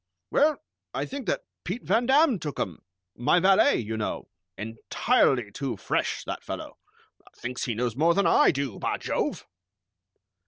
"Well, I think that Pete Van Damm took 'em, my valet, you know. Entirely too fresh, that fellow. Thinks he knows more than I do, bah Jove!"